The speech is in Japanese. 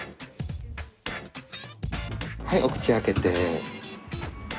はいお口開けて。